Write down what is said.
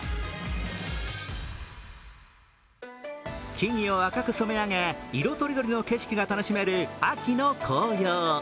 木々を赤く染め上げ、色とりどりの景色が楽しめる秋の紅葉。